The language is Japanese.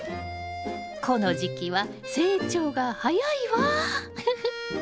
この時期は成長が早いわふふっ。